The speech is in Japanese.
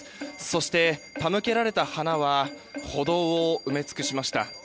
そして、手向けられた花は歩道を埋め尽くしました。